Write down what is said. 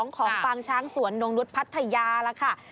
ของปางช้างสวนนงนุษย์พัทยาแล้วค่ะ